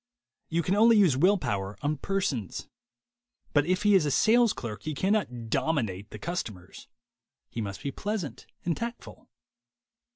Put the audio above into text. You can only use will power on persons. But if he is a sales clerk he cannot "dominate" the customers: he must be pleasant and tactful.